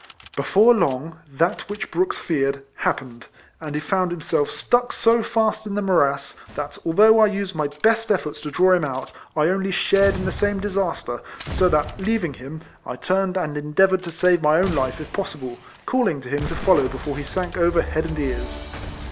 Before long, that which Brooks feared, happened; and he found himself stuck so fast in the morass, that although I used my best eiForts to draw him out, 1 only shared in the same disaster; so that, leaving him, I turned and endeavoured to save my own life if possible, calling to him to follow be fore he sank over head and ears.